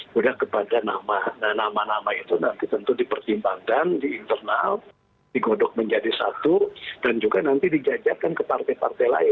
sudah kepada nama nah nama nama itu nanti tentu dipertimbangkan di internal digodok menjadi satu dan juga nanti dijajakan ke partai partai lain